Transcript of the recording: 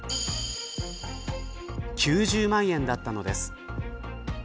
９０万円だったのです。